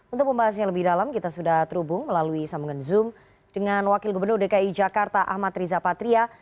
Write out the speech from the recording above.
untuk pembahas yang lebih dalam kita sudah terhubung melalui sambungan zoom dengan wakil gubernur dki jakarta ahmad riza patria